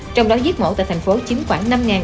trong đó giết mổ tại thành phố chiếm khoảng